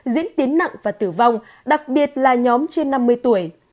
diễn tiến nặng và tử vong đặc biệt là nhóm trên năm mươi tuổi